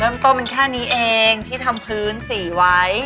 เริ่มต้นมันแค่นี้เองที่ทำพื้นสีไว้